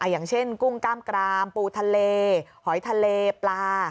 อย่างเช่นกุ้งกล้ามกรามปูทะเลหอยทะเลปลา